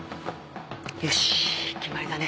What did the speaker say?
よし決まりだね！